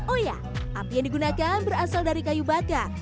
oh iya api yang digunakan berasal dari kayu bakar